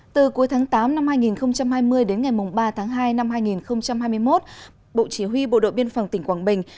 từ cuối tháng tám năm hai nghìn hai mươi đến ngày ba tháng hai năm hai nghìn hai mươi một bộ chỉ huy bộ đội biên phòng tỉnh quảng bình